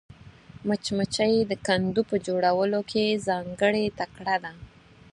مچمچۍ د کندو په جوړولو کې ځانګړې تکړه ده